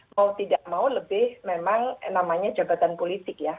mau tidak mau lebih memang namanya jabatan politik ya